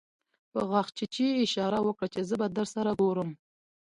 په غاښچيچي يې اشاره وکړه چې زه به درسره ګورم.